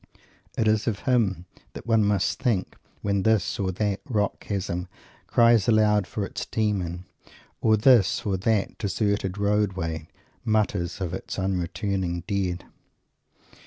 It is of him that one must think, when this or that rock chasm cries aloud for its Demon, or this or that deserted roadway mutters of its unreturning dead.